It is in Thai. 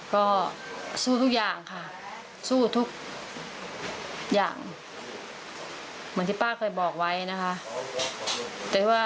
ก็สู้อย่างสู้ทุกอย่างเหมือนที่ป่าเคยบอกไว้นะคะแจ้ว่า